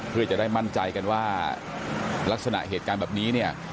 เพื่อจะได้มั่นใจกันว่าลักษณะเหตุการณ์แบบนี้เนี่ย